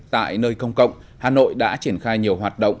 tại nơi công cộng hà nội đã triển khai nhiều hoạt động